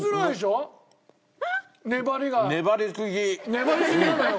粘りすぎなのよ